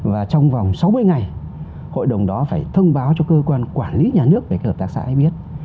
và trong vòng sáu mươi ngày hội đồng đó phải thông báo cho cơ quan quản lý nhà nước về các hợp tác xã ấy biết